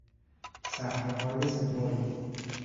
صخرههای سترگ